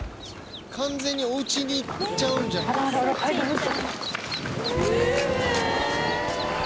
完全にお家に行っちゃうんじゃない？